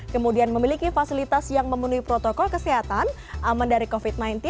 kemudian memiliki fasilitas yang memenuhi protokol kesehatan aman dari covid sembilan belas